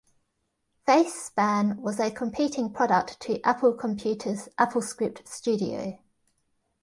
FaceSpan was a competing product to Apple Computer's AppleScript Studio.